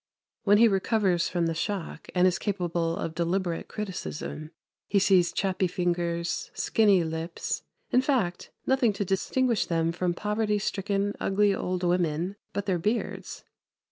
When he recovers from the shock and is capable of deliberate criticism, he sees chappy fingers, skinny lips in fact, nothing to distinguish them from poverty stricken, ugly old women but their beards.